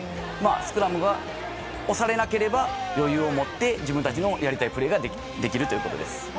スクラムで押されなければ余裕を持って自分たちのやりたいプレーができるということです。